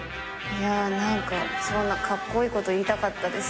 いや何かそんなカッコイイこと言いたかったです。